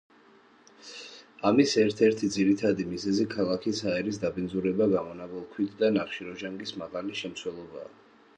ამისი ერთ-ერთი ძირითადი მიზეზი ქალაქის ჰაერის დაბინძურება გამონაბოლქვით და ნახშირორჟანგის მაღალი შემცველობაა.